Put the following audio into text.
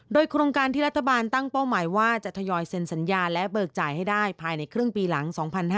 โดยโครงการที่รัฐบาลตั้งเป้าหมายว่าจะทยอยเซ็นสัญญาและเบิกจ่ายให้ได้ภายในครึ่งปีหลัง๒๕๕๙